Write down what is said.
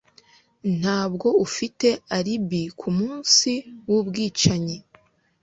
ntabwo ufite alibi kumunsi wubwicanyi